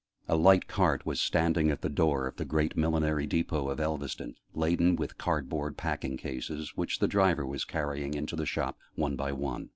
A light cart was standing at the door of the 'Great Millinery Depot' of Elveston, laden with card board packing cases, which the driver was carrying into the shop, one by one.